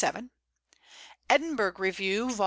xxxvii.; Edinburgh Review, vols.